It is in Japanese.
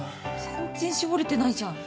全然絞れてないじゃん。